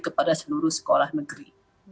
kepada seluruh sekolah negeri